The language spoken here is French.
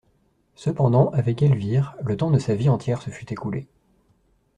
Cependant, avec Elvire, le temps de sa vie entière se fût écoulé.